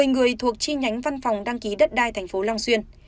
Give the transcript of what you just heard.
một mươi người thuộc chi nhánh văn phòng đăng ký đất đai thành phố long xuyên